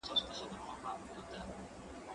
هغه څوک چي سبزیحات وچوي روغ وي!؟